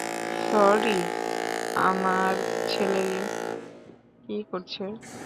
Sorry, আমার ছেলে কী করছে?